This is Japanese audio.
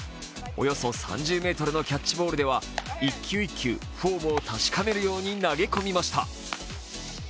およそ３０ｍのキャッチボールでは１球１球、フォームを確かめるように投げ込みました。